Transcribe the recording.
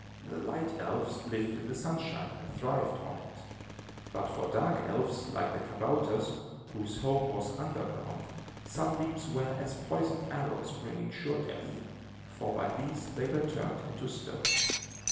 The light elves lived in the sunshine and thrived on it; but for dark elves, like the kabouters, whose home was underground, sunbeams were as poisoned arrows bringing sure death; for by these they were turned into stone.